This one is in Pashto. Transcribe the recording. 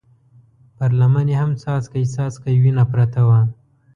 پر لمن يې هم څاڅکی څاڅکی وينه پرته وه.